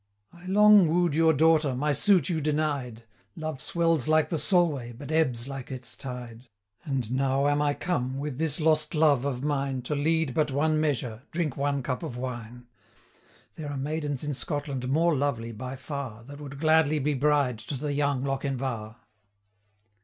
330 'I long woo'd your daughter, my suit you denied; Love swells like the Solway, but ebbs like its tide And now am I come, with this lost love of mine, To lead but one measure, drink one cup of wine. There are maidens in Scotland more lovely by far, 335 That would gladly be bride to the young Lochinvar.'